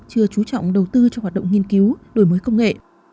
chưa chú trọng đầu tư cho hoạt động nghiên cứu đổi mới công nghệ